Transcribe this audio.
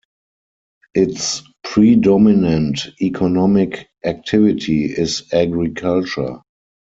Its predominant economic activity is agriculture.